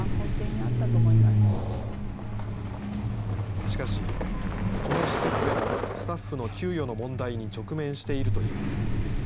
しかし、この施設でもスタッフの給与の問題に直面しているといいます。